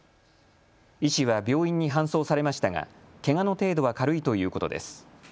医師は病院に搬送されましたがけがの程度は軽いということです。